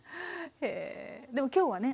でも今日はね